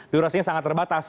durasinya sangat terbatas